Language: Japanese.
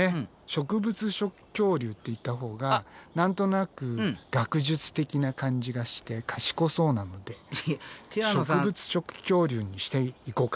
植物食恐竜って言ったほうが何となく学術的な感じがして賢そうなので植物食恐竜にしていこうか。